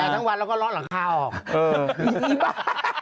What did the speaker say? เปิดแยงทั้งวันแล้วก็เลาะหลังค่ารอก